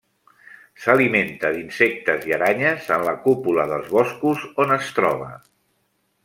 S'alimenta d'insectes i aranyes en la cúpula dels boscos on es troba.